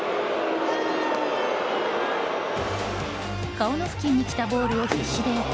顔の付近に来たボールを必死でよけ